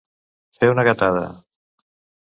Fer una gatada.